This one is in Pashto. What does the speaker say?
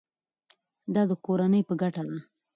دا د کورنۍ په ګټه ده.